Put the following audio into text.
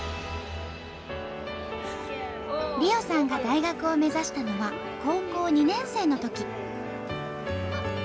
莉緒さんが大学を目指したのは高校２年生のとき。